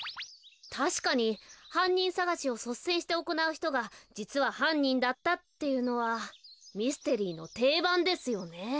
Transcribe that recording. たしかにはんにんさがしをそっせんしておこなうひとがじつははんにんだったっていうのはミステリーのていばんですよね。